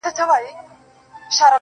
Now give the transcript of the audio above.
• گراني په تا باندي چا كوډي كړي.